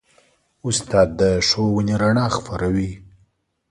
استاد د ښوونې رڼا خپروي.